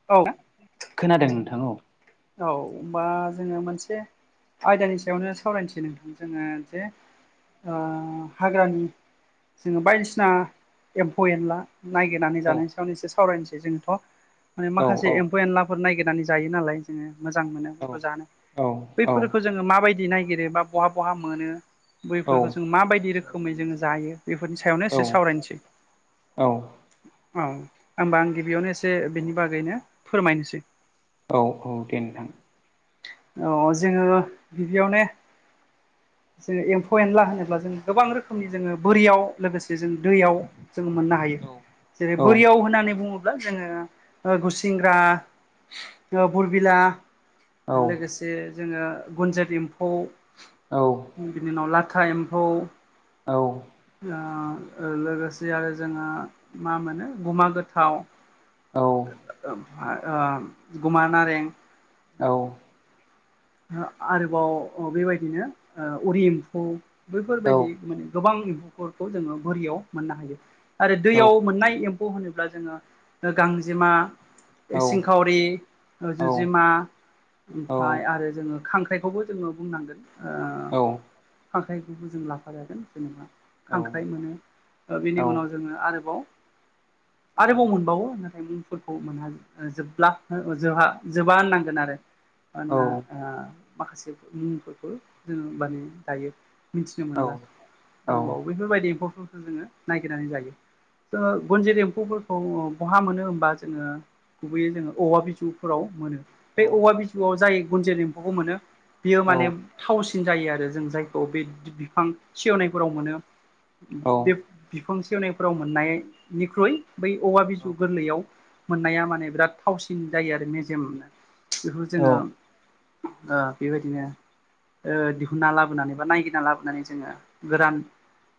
[unintelligible] खोनादों नोंथां औ। औ होमबा जोङो मोनसे आयदानि सायावनो सावरायनोसै नोंथां जोङो जे ओ हाग्रानि जोङो बायदिसिना एम्फौ एनला नायगिरनानै जानायनि सायावनो एसे सावरायनोसै जोंथ' माने औ माखासे एम्फौ एनलाफोर नायगिरनानै जायो नालाय। जोङो मोजां मोनो औ बेखौ जानो औ बैफोरखो जोङो माबायदियै नायगिरो बा बहा बहा मोनो बैफोरखो जों माबायदि रोखोमै जोङो जायो बेफोरनि सायावनो एसे सावरायनोसै। औ औ ओमबा आं गिबियावनो एसे बिनि बागैनो फोरमायनोसै। औ औ दे नोंथां। औ जोङो गिबियावनो जोङो एम्फौ एनला होनोब्ला जों गोबां रोखोमनि जोङो बोरियाव लोगोसे जों दैयाव जोङो मोननो हायो जेरै औ बोरियाव होनानै बुङो ब्ला जोङो ओ गुसिंग्रा ओ बुरबिला औ लोगोसे जोङो गुनजेत एम्फौ औ मुलि बिनि उनाव लाथा एम्फौ औ ओ लोगोसे आरो जोङो मा मोनो गुमा गोथाव ओ आ ओ गुमा नारें औ ओ आरोबाव बेबायदिनो ओ उरि इम्फौ बैफोरबायदि माने गोबां एम्फौफोरखौ जोङो बोरियाव मोननो हायो आरो दैयाव मोननाय एम फौ होनोब्ला जोङो गांजेमा सिंखावरि ओ जुजेमा ओमफाय आरो जोङो खांख्राइखौबो जोङो बुंनांगोन। ओ खांख्राइखोबो जों लाफा जागोन जेनेबा खांख्राइ मोनो। ओ बिनि उनाव जोङो आरोबाव आरोबाव मोनबावो नाथाय मुंफोरखौ मोनहा जोबला ओ जोहा-जोबा होननांगोन आरो। मानोना ओ माखासे मुंफोरखौ जोङो होमबानो दायो। मिथिनो मोनला दंबावो बेफोरबायदि एम्फौफोरखौ जोङो नागिरनानै जायो। जोङो गुनजेद एम्फौफोरखौ बहा मोनो होमबा जोङो गुबैयै जोङो औवा बिजौफोराव मोनो बे औवा बिजौआव जाय गुनजेद एम्फौखौ मोनो बियो माने थावसिन जायो आरो जों जायखौ बे बिफां सेवनायफोराव मोनो। उम बे बिफां सेवनायफोराव मोननायनिख्रुइ बै औवा बिजौ गोरलैयाव मोननाया माने बिराद थावसिन जायो आरो मेजेमनो बेखौ जोङो ओ बेबायदिनो ओ दिहुनना लाबोनानै बा नायगिरना लाबोनानै जोङो गोदान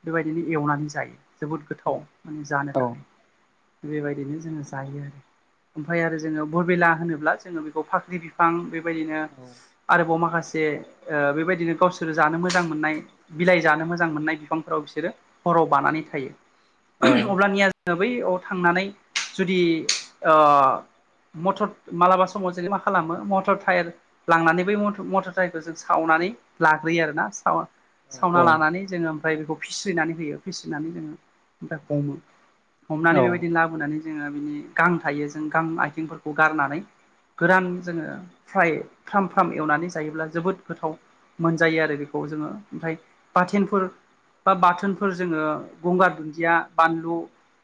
बेबायदिनो एवनानै जायो जोबोद गोथाव माने जानो थाखाय बेबायदिनो जोङो जायो आरो ओमफ्राय आरो जोङो बरबिला होनोब्ला जोङो बेखौ फाख्रि बिफां बेबायदिनो आरोबाव माखासे ओ बेबायदिनो गावसोर जानो मोजां मोननाय बिलाइ जानो मोजां मोननाय बिफांफोराव बिसोरो हराव बानानै थायो अब्लानिया जोङो बैयाव थांनानै जुदि ओ मटर मालाबा समाव जोंदि मा खालामो मटर थायेर लांनानै बै मटर थायेरखौ जों सावनानै लाग्रोयो आरोना साव सावना लानानै जोङो ओमफ्राय बेखौ फिसिनानै होयो फिसिनानै जोङो ओमफ्राय हमो हमनानै बेबायदिनो लाबोनानै जोङो बिनि गां थायो जों गां आथिंफोरखौ गारनानै गोरान जोङो फ्राय फ्राम फ्राम एवनानै जायोब्ला जोबोद गोथाव मोनजायो आरो बेखौ जोङो ओमफ्राय बाथेनफोर बा बाथोनफोर जोङो गंगार दुन्दिया बानलु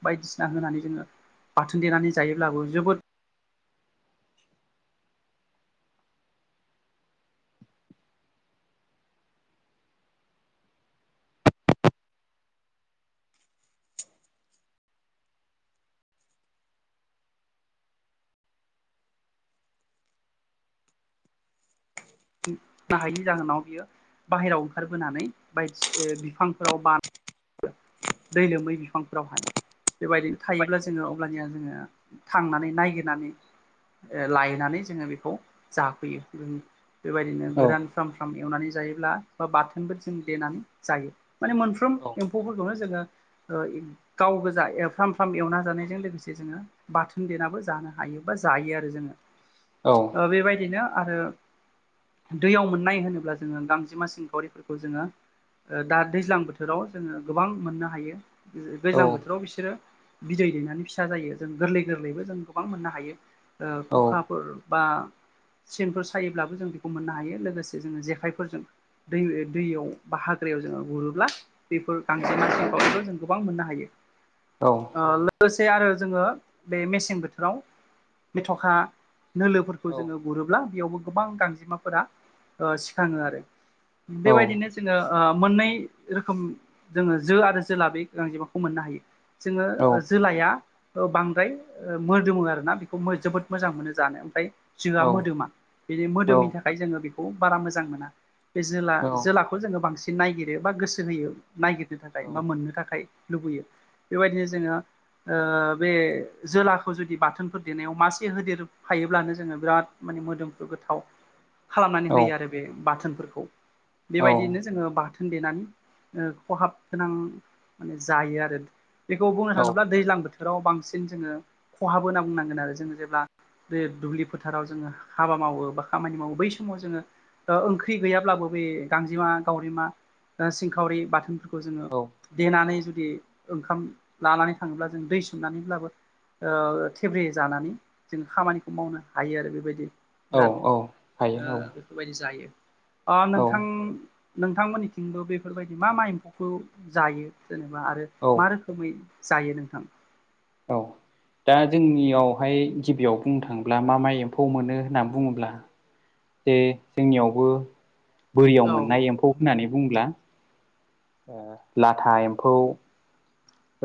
बायदिसिना होनानै जोङो बाथोन देनानै जायोब्लाबो जोबोद [inaudible] नो हायिनि जाहोनाव बियो बाहेरायाव ओंखारबोनानै ओ बायदि बिफांफोराव बा [inaudible] दै लोमै बिफांफोरावहाय बेबायदि थायोब्ला जोङो अब्लानिया जोङो थांनानै नायागिरनानै ओ लायनानै जोङो बेखौ जाफैयो जों बेबायदिनो गोरान फ्राम फ्राम एवनानै जायोब्ला बा बाथोनफोर जों देनानै जायो माने मोनफ्रोम एम्फौफोरखौनो जोङो ओ इउ गाव गोजा फ्राम फ्राम एवना जानायजों लोगोसे जोङो बाथोन देनाबो जानो हायो बा जायो आरो जोङो औ ओ बेबायदिनो आरो दैयाव मोननाय होनोब्ला जोङो गांजेमा सिंखावरिफोरखौ जोङो ओ दा दैज्लां बोथोराव जोङो गोबां मोननो हायो दैज्लां बोथोराव बिसोरो बिदै दैनानै फिसा जायो जों गोरलै गोरलैबो जों गोबां मोननो हायो ओ खखाफोर बा सेनफोर सायोब्लाबो जों बेखौ मोननो हायो लोगोसे जोङो जेखाइफोरजों दै दैयाव बा हाग्रायाव जोङो गुरोब्ला बेफोर गांजेमा सिनखावरिखौ जों गोबां मोननो हायो औ ओ लोगोसे आरो जोङो बे मेसें बोथोराव मेथ'खा नोलोफोरखौ जोङो गुरोब्ला बेयावबो गोबां गांजेमा फोरा ओ सिखाङो आरो बेबायदिनो नो ओ मोननै रोखोम जोङो जो आरो जोला बे गोनां जेमाखौ मोननो हायो जोङो जोलाया बांद्राय मोदोमो आरोना बेखौ जोबोद मोजां मोनो जानो ओमफ्राय जोआ औ मोदोमा बेनि औ मोदोमनि थाखाय जोङो बेखौ बारा मोजां मोना बे जोला औ जोलाखौ खौ जोङो बांसिन नायगिरो बा गोसो होयो नायगिरनो थाखाय बा मोननो थाखाय लुबैयो बेबायदिनो जोङो ओ बे जोलाखौ जुदि बाथोनफोर देनायाव मासे होदेरो हायोब्लानो जोङो बिराद माने मोदोमफ्रु गोथाव खालामनानै औ होयो आरो बे बाथोनफोरखौ औ बेबायदिनो जोङो बाथोन थोनदेनानै खहाब गोनां माने जायो आरो बेखौ बुंनो औ थाङोब्ला दैज्लां बोथोराव बांसिन जोङो खहाबो होनना बुंनांगोन आरो जोङो जेब्ला बे दुब्लि फोथाराव जोङो हाबा मावो बा खामानि मावो बै सम माव जोङो ओ ओंख्रि गैयाब्लाबो बे गांजेमा गावरिमा ना सिंखावरि बाथोनफोरखौ जोङो औ देनानै जुदि ओंखाम लानानै थाङोब्ला जों दै सोमनानैब्लाबो औ थेब्रे जानानै जों खामानिखौ मावनो हायो आरो बेबायदि औ बिराद औ ओ हायो बेफोरबायदि जायो ओ औ नोंथां नोंथांमोननिथिंबो बेफोरबायदि मा मा एम्फौखौ जायो जेनेबा आरो औ मा रोखोमै जायो नोंथां? औ दा जोंनियावहाय गिबियाव बुंनो थाङोब्ला मा मा एम्फौ मोनो होननानै बुङोब्ला जे जोंनियावबो औ बोरियाव मोननाय एम्फौ होननानै बुंब्ला ओ लाथा एम्फौ।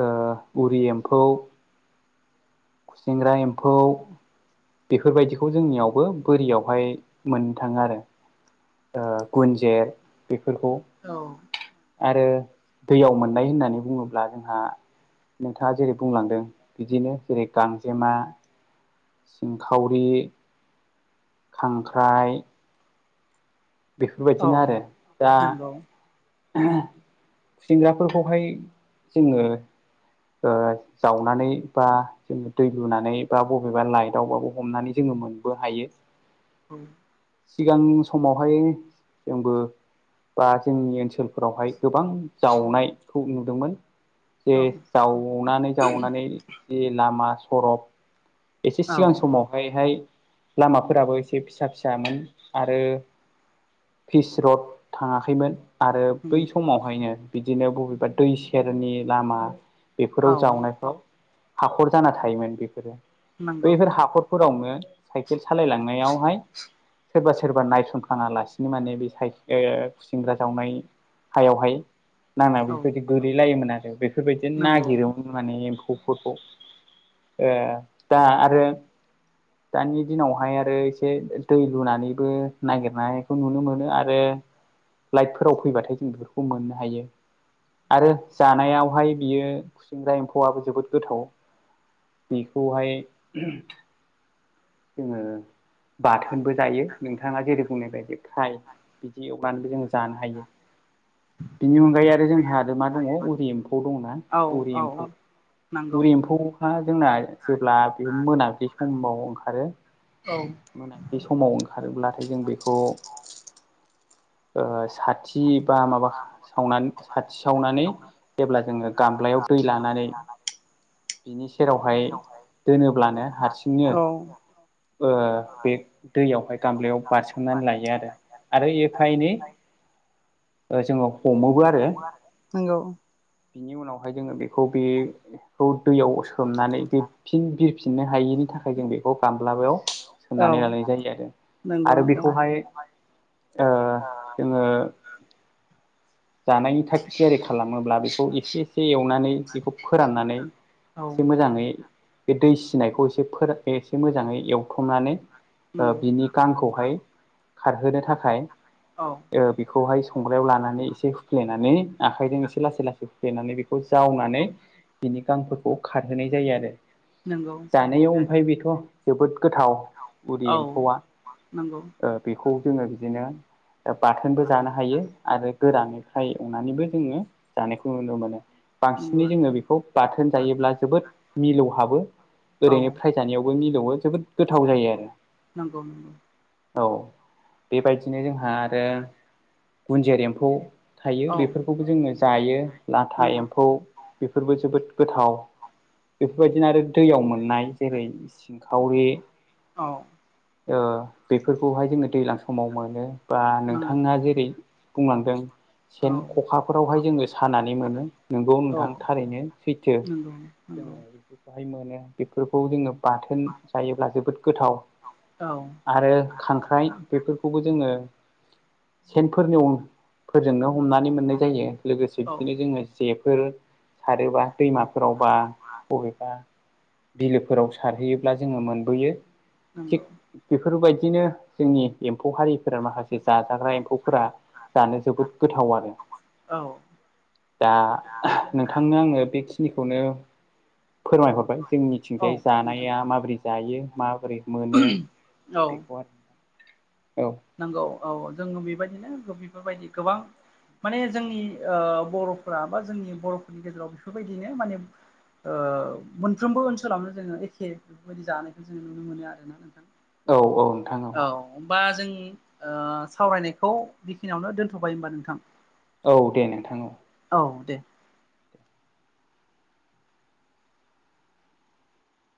ओ उरि एम्फौ खुसिंग्रा एम्फौ। बेफोरबायदिखौ जोंनियावबो बोरियावहाय मोननो थाङो आरो ओ गुनजेर बेफोरखौ औ आरो दैयाव मोननाय होननानै बुङोब्ला जोंहा नोंथाङा जेरै बुंलांदों बिदिनो जेरै गांजेमा, सिंखावरि। खांख्राइ, औ बिफोरबायदिनो आरो दा नंगौ खुंसेंग्राफोरखौहाय जोङो ओ जावनानै बा जोङो दै लुनानै बा बबेबा लाइटआवबाबो हमनानै जोङो मोनबो हायो। औ सिगां समावहाय जोंबो बा जोंनि ओनसोलफोरावहाय गोबां जावनायखौ नुदोंमोन। जे औ जावनानै जावनानै जि लामा सरब एसे औ सिगां समावहाय हाय लामाफोराबो एसे फिसा फिसामोन आरो फिस रड थाङाखैमोन आरो उम बै समावहायनो बिदिनो बबेबा दै सेरनि लामा औ बेफोराव जावनायफ्राव हाखर जाना थायोमोन बेफोरो नंगौ बैफोर हाखर फोरावनो साइकेल सालायलांनायावहाय सोरबा सोरबा नायसन फाङालासिनो माने बे साइ ओ खुसिंग्रा जावनाय हायावहाय नांनाय औ बेफोरबायदि गोलैलायोमोन आरो बेफोरबायदिनो नंगौ नागिरोमोन माने एम्फौफोरखौ। ओ दा आरो दानि दिनावहाय आरो इसे दै लुनानैबो नागिर नायखौ नुनो मोनो आरो लाइटफोराव फैबाथाय जों बेफोरखौ मोननो हायो। आरो जानायावहाय बियो खुसिंग्रा एम्फौआआबो जोबोद गोथाव। बेखौहाय [unintelligible] जोङो बाथोनबो जायो नोंथाङा जेरै बुंनाय बादि फ्राय बिदि एवनानैबो जों जानो हायो। बिनि अनगायै आरो जोंहा आरो मा दङ उरि एम्फौ दङ ना? औ उरि औ एम्फौ नंगौ उरि एम्फौ आ जोंना जेब्ला बे मोनाब्लि समाव ओंखारो औ मोनाबिलि समाव ओंखारोब्लाथाय जों बेखौ ओ साथि बा माबा सावनानै साथि सावनानै जेब्ला जोङो गामब्लायाव दै लानानै बिनि सेरावहाय दोनोब्लानो हारसिंनो नंगौ ओ बे दैयावहाय गामलायाव बारसोमनानै लायो आरो। आरो एफा एनै जोङो हमोबो आरो। नोंगौ बिनि उनावहाय जोङो बेखौ बे बेखौ दैयाव सोमनानै फिन बिरफिननो हायिनि थाखाय जों बे खौ गाम्लायाव नंगौ सोनानै लानाय जायो आरो आरो बेखौहाय ओ जोंङो जानायनि थाग थियारि खालामोब्ला बेखौ एसे एसे एवनानै बेखौ फोराननानै औ एसे मोजाङै बे दै सिनायखौ एसे फोरान एसे मोजाङै एवथुमनानै ओ नंगौ बिनि गांखौहाय खारहोनो थाखाय औ ओ बेखौहाय संग्रायाव लानानै एसे हुफ्लेनानै आखाइजों एसे लासै लासै हुफ्लेनानै बेखौ जावनानै बिनि गांफोरखौ खारहोनाय जायो आरो। नोंगौ जानायाव ओमफाय बेथ' जोबोद गोथाव उरि औ एम्फौआ नंगौ ओ बेखौ जोङो बिदिनो बाथोनबो जानो हायो आरो गोरानै फ्राय एवनानैबो जोङो जानायखौ नुनो मोनो। नंगौ बांसिनै जोङो बेखौ बाथोन जायोब्ला जोबोद मिलौहाबो औ ओरैनो फ्राय जानायाव बो मिलौवो जोबोद गोथाव जायो आरो। नांगौ नंगौ। औ बेबायदिनो जोंहा आरो गुन्जेर एम्फौ थायो औ बेफोरखौबो जोङो जायो लाथा नंगौ एम्फौ बेफोरबो जोबोद गोथाव। बेफोरबायदिनो आरो दैयाव मोननाय जेरै सिंखावरि औ ओ बेफोरखौहाय जोङो दैज्लां समाव मोनो बा नंगौ नोंथाङा जेरै बुंलांदों सेन औ ख'खाफोरावहाय जोङो सानानै मोनो। नोंगौ औ नोंथां थारैनो सैथो नंगौ नंगौ जोङो बेखौ बेहाय मोनो बेफोरखौ जोङो बाथोन जायोब्ला जोबोद गोथाव औ आरो खांख्राइ बेफोरखौबो जोङो सेनफोरनि फोरजोंनो हमनानै मोननाय जायो लोगोसे औ बिदिनो जोङो जेफोर सारोबा दैमाफोरावबा बबेबा बिलोफोराव सारहैयोब्ला जोङो मोनबोयो थिग नंगौ बेफोरबायदिनो जोंनि एम्फौ हारिफोरा माखासे जाजाग्रा एम्फौ फोरा जानो जोबोद गोथाव आरो। औ दा नोंथांनो आङो बेखिनिखौनो फोरमायहरबाय जों औ निथिंजाय जानाया नोंथाङा माबोरै जायो माबोरै मोनो औ बेखौ आरो औ। नंगौ औ जोङो बेबायदिनो बेफोरबायदि गोबां माने जोंनि ओ बर'फोरा बा जोंनि बर'फोरनि गेजेराव बेफोरबायदिनो माने ओ मोनफ्रोमबो ओनसोलावनो जोङो एखे बेफोरबायदि जानायखौ जोङो नुनो मोनो आरोना नोंथां। औ औ नोंथां औ। औ ओमबा जों ओ सावरायनायखौ बेखिनियावनो दोनथ'बाय ओमबा नोंथां। औ दे नोंथां औ औ दे